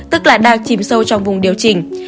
tức là đang chìm sâu trong vùng điều chỉnh